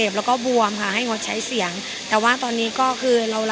พัดหยิบ